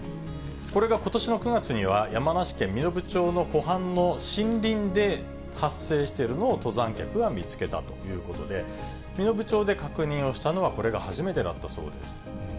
これがことしの９月には、山梨県身延町の湖畔の森林で発生しているのを、登山客が見つけたということで、身延町で確認をしたのは、これが初めてだったそうです。